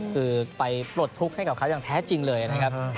คือไปปลดทุกข์ให้กับเขาอย่างแท้จริงเลยนะครับ